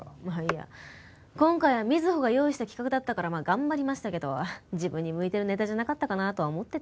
いや今回は瑞穂が用意した企画だったからまあ頑張りましたけど自分に向いてるネタじゃなかったかなとは思ってて。